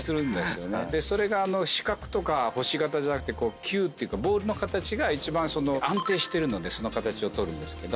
それが四角とか星形じゃなくて球っていうかボールの形が一番安定してるのでその形を取るんですけど。